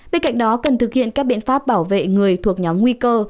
bên cạnh đó cần thực hiện các biện pháp bảo vệ người thuộc nhóm nguy cơ